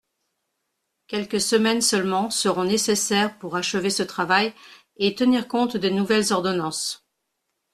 Quelques semaines seulement seront nécessaires pour achever ce travail et tenir compte des nouvelles ordonnances.